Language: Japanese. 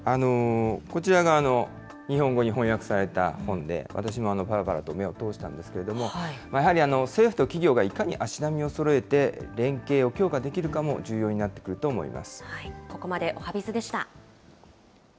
こちらが日本語に翻訳された本で、私もぱらぱらと目を通したんですけれども、やはり、政府と企業がいかに足並みをそろえて連携を強化できるかも重要にここまで、おはＢｉｚでした。